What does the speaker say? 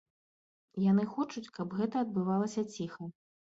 Яны хочуць, каб гэта адбывалася ціха.